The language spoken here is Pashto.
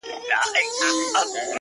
زموږ وطن كي اور بل دی _